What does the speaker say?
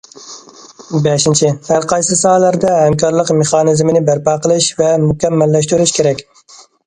بەشىنچى، ھەرقايسى ساھەلەردە ھەمكارلىق مېخانىزمىنى بەرپا قىلىش ۋە مۇكەممەللەشتۈرۈش كېرەك.